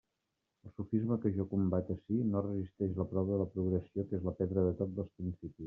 El sofisma que jo combat ací no resisteix la prova de la progressió, que és la pedra de toc dels principis.